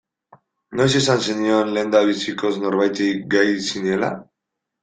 Noiz esan zenion lehendabizikoz norbaiti gay zinela.